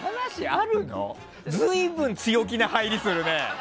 随分、強気な入りをするね。